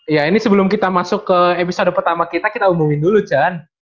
ya ini sebelum kita masuk ke episode pertama kita kita umumin dulu chan